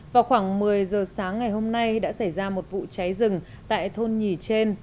vào khoảng một mươi giờ sáng ngày hôm nay đã xảy ra một vụ cháy rừng tại thôn nhì trên